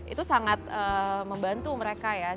itu sangat membantu mereka ya